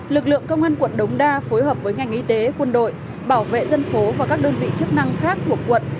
lực lượng công an quận đống đa phối hợp với ngành y tế quân đội bảo vệ dân phố và các đơn vị chức năng khác của quận